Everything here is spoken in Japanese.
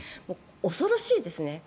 恐ろしいですね。